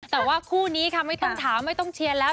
แต่ว่าคู่นี้ค่ะไม่ต้องถามไม่ต้องเชียร์แล้ว